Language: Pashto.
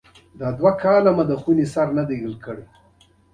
ملک صاحب د لټۍ له امله دوکانداري پرېښوده.